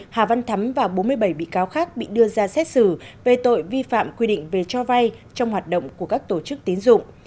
hà văn thắm và bốn mươi bảy bị cáo khác bị đưa ra xét xử về tội vi phạm quy định về cho vay trong hoạt động của các tổ chức tín dụng